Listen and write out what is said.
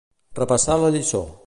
Repassar la lliçó.